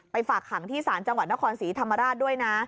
ฝากขังที่ศาลจังหวัดนครศรีธรรมราชด้วยนะ